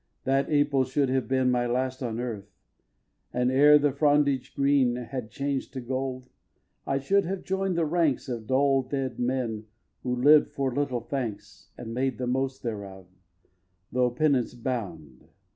That April should have been My last on earth, and, ere the frondage green Had changed to gold, I should have join'd the ranks Of dull dead men who lived for little thanks And made the most thereof, though penance bound.